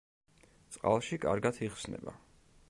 წყალში კარგად იხსნება.